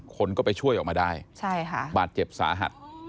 คนก็ไปช่วยออกมาได้บาดเจ็บสาหัส